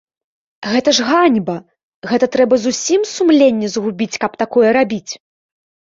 Гэта ж ганьба, гэта трэба зусім сумленне згубіць, каб такое рабіць!